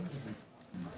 deden rahadian garut